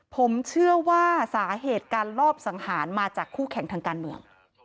ผมเชื่อว่าสาเหตุการลอบสังหารมาจากคู่แข่งทางการเมือง